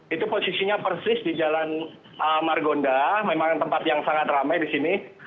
itu posisinya persis di jalan margonda memang tempat yang sangat ramai di sini